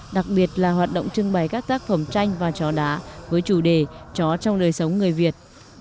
đặc biệt là hoạt động trưng bày các tác phẩm tranh và chó đá với chủ đề chó trong đời sống người việt